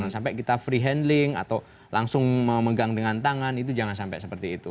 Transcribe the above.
sampai kita free handling atau langsung memegang dengan tangan itu jangan sampai seperti itu